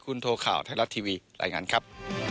คุณโทข่าวไทยรัฐทีวีรายงานครับ